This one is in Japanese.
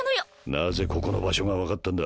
なぜここの場所が分かったんだ？